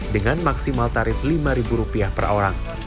dengan maksimal tarif lima rupiah per orang